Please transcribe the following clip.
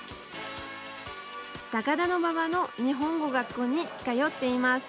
高田馬場の日本語学校に通っています。